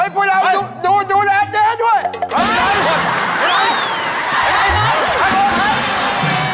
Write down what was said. พวกนายดูแลเจ๊ด้วยเฮ้ยคน